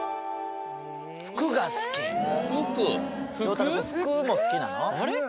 くん服も好きなの？